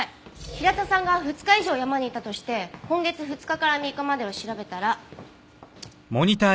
平田さんが２日以上山にいたとして今月２日から３日までを調べたら。